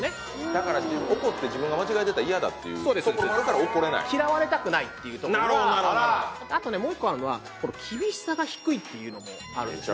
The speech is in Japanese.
だから怒って自分が間違えてたら嫌だっていうところもあるから怒れない嫌われたくないっていうところがあともう一個あるのは厳しさが低いっていうのもあるんですね